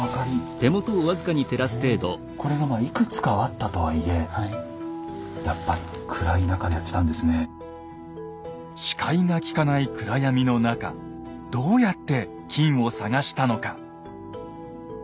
これがまあいくつかあったとはいえ視界がきかない暗闇の中どうやって金を探したのか。